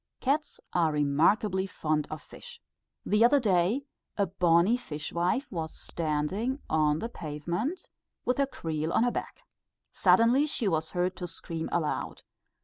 Cats are remarkably fond of fish. The other day, a bonnie fishwife was standing on the pavement with her creel on her back. Suddenly she was heard to scream aloud.